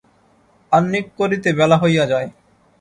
আহ্নিক করিতে বেলা হইয়া যায়।